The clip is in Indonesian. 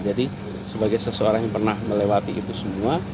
jadi sebagai seseorang yang pernah melewati itu semua